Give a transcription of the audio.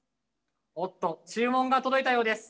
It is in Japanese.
おっと注文が届いたようです。